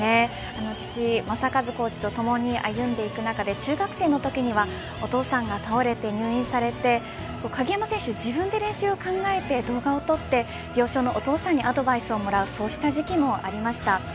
父、正和コーチとともに歩んでいく中で中学生のときにはお父さんが倒れて入院されて鍵山選手自分で練習を考えて動画を撮って、病床のお父さんにアドバイスをもらう時期もありました。